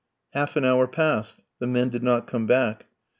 Half an hour passed; the men did not come back.